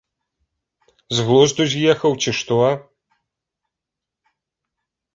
З глузду з'ехаў, ці што?